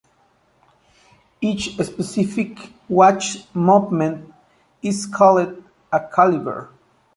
Each specific watch movement is called a "caliber".